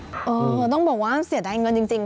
เออต้องบอกว่าเสียดายเงินจริง